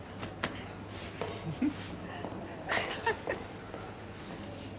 フフッ。